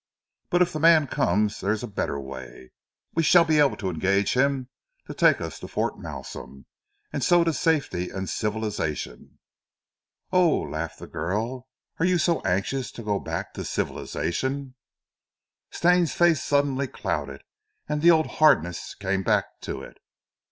But if the man comes there is a better way. We shall be able to engage him to take us to Fort Malsun, and so to safety and civilization." "Oh!" laughed the girl, "are you so anxious to go back to civilization?" Stane's face suddenly clouded, and the old hardness came back to it.